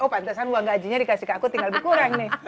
oh pantesan uang gajinya dikasih ke aku tinggal lebih kurang nih